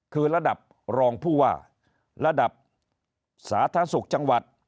คือระดับรองผู้ว่าระดับสาธารณสุขจังหวัด